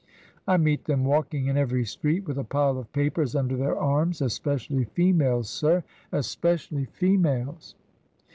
I meet them walking in every street with a pile of papers under their arms, especially females, sir — especially females."